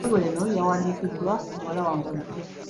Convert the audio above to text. Ebbaluwa eno yawandiikibwa muwala wange omuto.